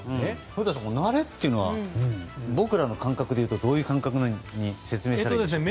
古田さん、慣れというのは僕らの感覚でいうとどういう感覚で説明したらいいでしょうか。